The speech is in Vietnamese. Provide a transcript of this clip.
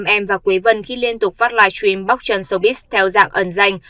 nam em khuấy vân khi liên tục phát live stream bóc trần showbiz theo dạng ẩn danh